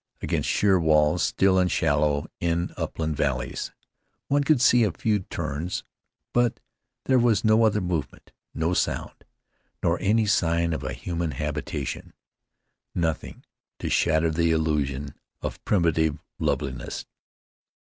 Against sheer walls still in shadow in upland valleys one could see a few terns; but there was no other move ment, no sound, nor any sign of a human habitation — nothing to shatter the illusion of primitive loveliness.